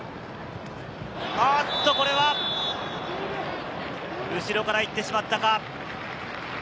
これは後ろから行ってしまったか。